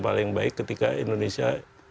paling baik ketika indonesia